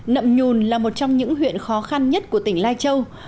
nậm nhùn là một trong những huyện khó khăn nhất của tỉnh lai châu